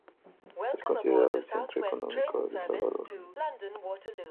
Es considerada el centro económico de Salvador.